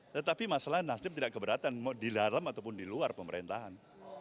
tetapi masalahnya nasdem tidak keberatan di dalam ataupun di luar pemerintahan